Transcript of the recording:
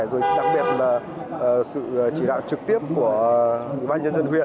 rồi đặc biệt là sự chỉ đạo trực tiếp của bác nhân dân huyện